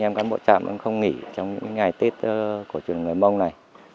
các cán bộ chạm cũng không nghỉ trong những ngày tết của trường người mông này